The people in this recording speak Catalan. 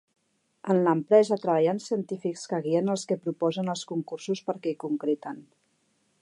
En l'empresa treballen científics que guien als que proposen els concursos perquè hi concreten.